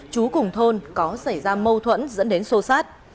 chú cùng thôn có xảy ra mâu thuẫn dẫn đến sô sát